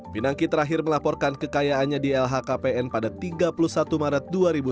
pinangki terakhir melaporkan kekayaannya di lhkpn pada tiga puluh satu maret dua ribu dua puluh